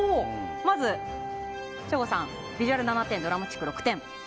まず、省吾さんビジュアル７点ドラマチック６点。